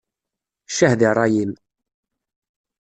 Ccah di ṛṛay-im!